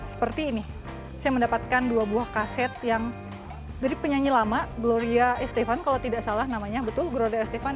seperti ini saya mendapatkan dua buah kaset yang dari penyanyi lama gloria estefan kalau tidak salah namanya betul gloria estefan